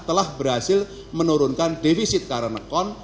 telah berhasil menurunkan defisit current account